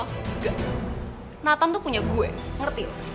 nathan tuh punya gue ngerti